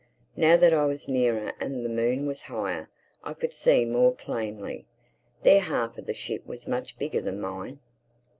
Now that I was nearer and the moon was higher I could see more plainly. Their half of the ship was much bigger than mine.